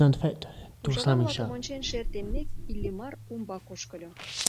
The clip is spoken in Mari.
Ужава-влакым ончен шер теммек, Иллимар умбак ошкыльо.